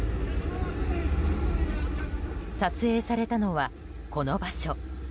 撮影されたのは、この場所。